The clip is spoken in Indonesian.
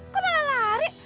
kok malah lari